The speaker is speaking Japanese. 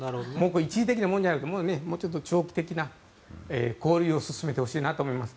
一時的なものじゃなくもうちょっと長期的な交流を進めてほしいなと思います。